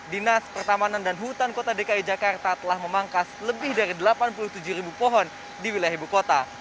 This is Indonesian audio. dinas pertamanan dan hutan kota dki jakarta telah memangkas lebih dari delapan puluh tujuh ribu pohon di wilayah ibu kota